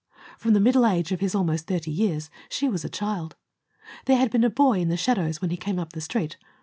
From the middle age of his almost thirty years, she was a child. There had been a boy in the shadows when he came up the Street.